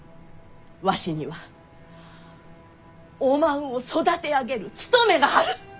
わしにはおまんを育て上げる務めがある！